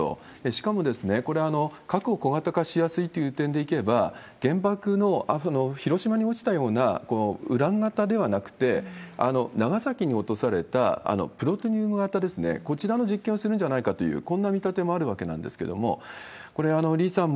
しかも、これ、核を小型化しやすいという点でいけば、原爆の、広島に落ちたようなウラン型ではなくて、長崎に落とされたプルトニウム型ですね、こちらの実験をするんじゃないかという、こんな見立てもあるわけなんですけれども、これ、李さん、